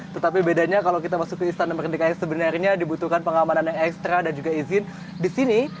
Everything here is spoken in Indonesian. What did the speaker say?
tetapi bedanya kalau kita masuk ke istana merdeka yang sebenarnya dibutuhkan pengamanan yang ekstra dan juga izin di sini